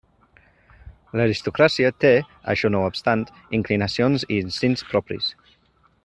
L'aristocràcia té, això no obstant, inclinacions i instints propis.